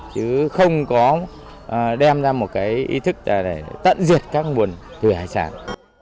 chứ không có đem ra một ý thức tận diệt các nguồn thủy hải sản